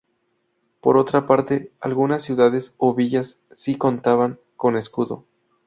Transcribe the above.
Por otra parte, algunas ciudades o villas sí contaban con escudo.